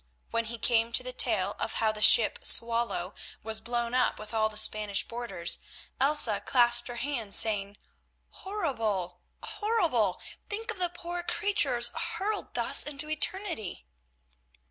When he came to the tale of how the ship Swallow was blown up with all the Spanish boarders, Elsa clasped her hands, saying, "Horrible! Horrible! Think of the poor creatures hurled thus into eternity."